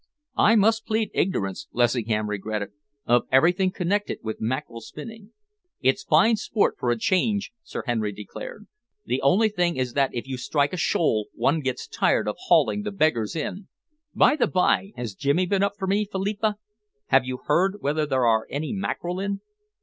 "I must plead ignorance," Lessingham regretted, "of everything connected with mackerel spinning." "It's fine sport for a change," Sir Henry declared. "The only thing is that if you strike a shoal one gets tired of hauling the beggars in. By the by, has Jimmy been up for me, Philippa? Have you heard whether there are any mackerel in?"